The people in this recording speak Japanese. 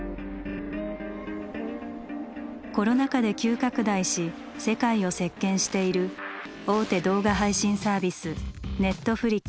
コロナ禍で急拡大し世界を席巻している大手動画配信サービスネットフリックス。